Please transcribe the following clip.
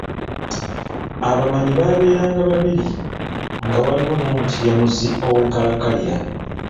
Abamanyi babeerenga babiri nga waliwo n’omutyemuzi ow’enkalakkalira.